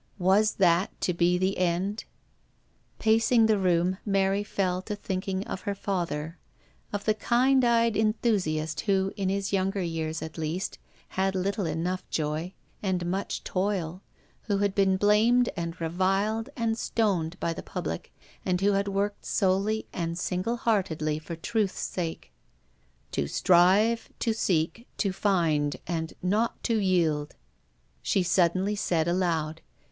.. Was that to be the end ?" Pacing the room, Mary fell to thinking of her father; of the kind eyed enthusiast who, in his younger years at least, had little enough joy, and much toil, who had been blamed and reviled and stoned by the public, and who had worked solely and single heartedly for Truth's sake. " To strive, to seek, to find, and not to yield," she suddenly said aloud.